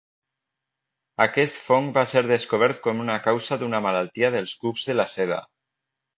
Aquest fong va ser descobert com una causa d'una malaltia dels cucs de la seda.